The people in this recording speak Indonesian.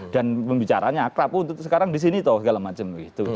dan membicaranya akrab sekarang disini toh segala macam gitu